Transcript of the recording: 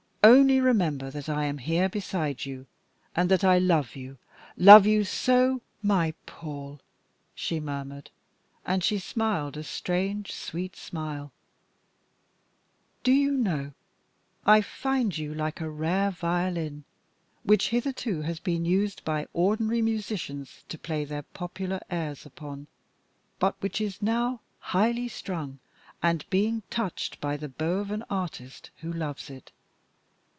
Only remember that I am here beside you, and that I love you, love you so " "My Paul!" she murmured, and she smiled a strange, sweet smile, "do you know, I find you like a rare violin which hitherto has been used by ordinary musicians to play their popular airs upon, but which is now highly strung and being touched by the bow of an artist who loves it.